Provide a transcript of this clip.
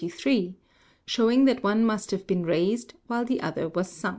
182, 183), showing that one must have been raised while the other was sunk.